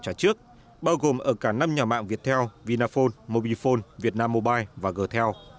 bao trả trước bao gồm ở cả năm nhà mạng viettel vinaphone mobifone vietnam mobile và gtel